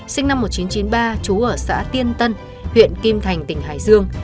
sinh năm một nghìn chín trăm chín mươi ba trú ở xã tiên tân huyện kim thành tỉnh hải dương